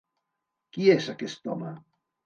Qui és aquest home?